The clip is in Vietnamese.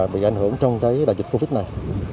bị ảnh hưởng trong cái đại dịch covid này